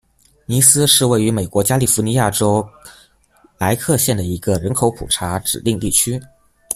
尼斯是位于美国加利福尼亚州莱克县的一个人口普查指定地区。